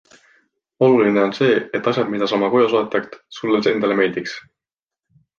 Oluline on see, et asjad, mida sa oma koju soetad, sulle endale meeldiksid.